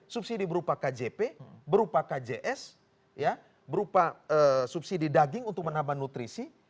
subsidi berupa kjp berupa kjs berupa subsidi daging untuk menambah nutrisi